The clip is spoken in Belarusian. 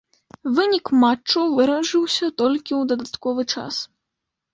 Вынік матчу вырашыўся толькі ў дадатковы час.